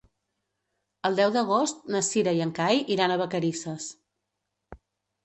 El deu d'agost na Cira i en Cai iran a Vacarisses.